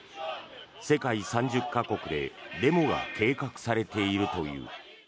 世界３０か国でデモが計画されているという。